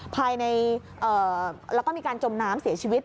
พายละก็มีการจมน้ำเสียชีวิต